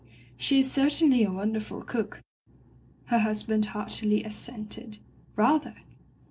"She is certainly a wonderful cook.'* Her husband heartily assented. " Rather